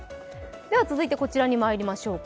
続いてこちらにまいりましょうか。